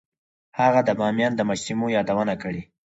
هغه د بامیان د مجسمو یادونه کړې